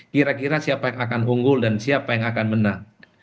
kira kira siapa yang akan unggul dan siapa yang akan menang